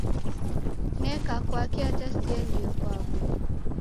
Neka kwake ata siendie kwapo